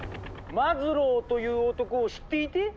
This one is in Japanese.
マズローという男を知っていて？